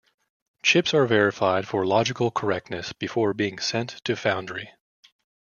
Chips are verified for logical correctness before being sent to foundry.